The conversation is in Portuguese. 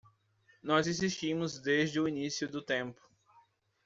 Nós existimos desde o início do tempo.